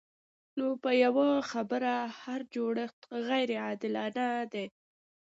نو په یوه خبره هر جوړښت غیر عادلانه دی.